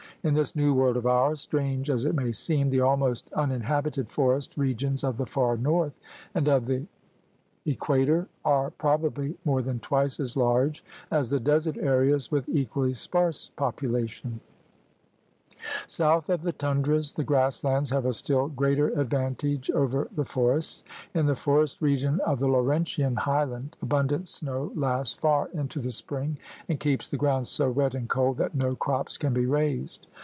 In this New World of ours, strange as it may seem, the almost uninhabited forest regions of the far north and of the equator are 108 THE HED MAN'S CONTINENT probably more than twice as large as the desert areas with equally sparse population. South of the tundras the grass lands have a still greater advantage over the forests. In the forest region of the Laurentian highland abundant snow lasts far into the spring and keeps the ground so wet and cold that no crops can be raised.